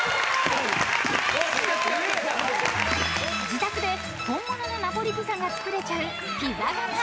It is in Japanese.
［自宅で本物のナポリピザが作れちゃうピザ窯］